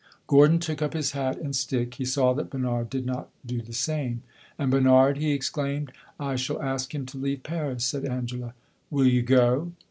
Gordon took up his hat and stick; he saw that Bernard did not do the same. "And Bernard?" he exclaimed. "I shall ask him to leave Paris," said Angela. "Will you go?"